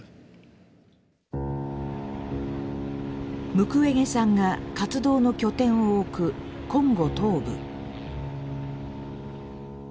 ムクウェゲさんが活動の拠点を置くコンゴ東部。